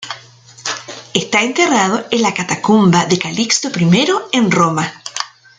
Está enterrado en la catacumba de Calixto I en Roma.